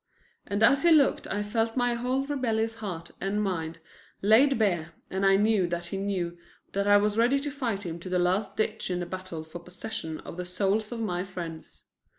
And as he looked I felt my whole rebellious heart and mind laid bare and I knew that he knew that I was ready to fight him to the last ditch in the battle for possession of the souls of my friends.